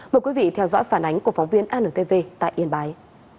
mời quý vị theo dõi phản ánh của phóng viên antv tại yên bái